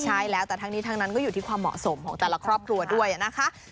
ใช่แล้วแต่ทั้งนี้ทั้งนั้นก็อยู่ที่ความเหมาะสมของแต่ละครอบครัวด้วยนะคะ